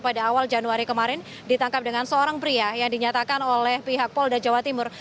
pada awal januari kemarin ditangkap dengan seorang pria yang dinyatakan oleh pihak polda jawa timur